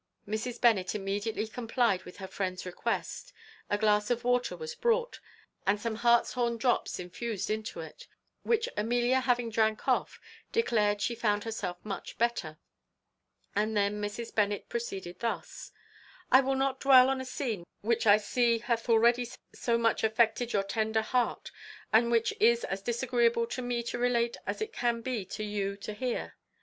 "Mrs. Bennet immediately complied with her friend's request; a glass of water was brought, and some hartshorn drops infused into it; which Amelia having drank off, declared she found herself much better; and then Mrs. Bennet proceeded thus: "I will not dwell on a scene which I see hath already so much affected your tender heart, and which is as disagreeable to me to relate as it can be to you to hear.